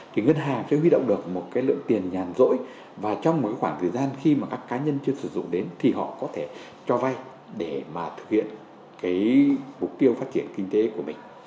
thì ngân hàng sẽ huy động được một cái lượng tiền nhàn rỗi và trong một khoảng thời gian khi mà các cá nhân chưa sử dụng đến thì họ có thể cho vay để mà thực hiện cái mục tiêu phát triển kinh tế của mình